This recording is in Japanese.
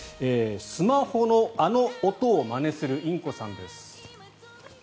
スマホのあの音をまねするインコさんです。